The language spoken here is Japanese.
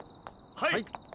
はい。